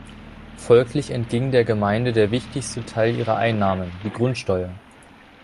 Folglich entging der Gemeinde der wichtigste Teil ihrer Einnahmen, die Grundsteuer.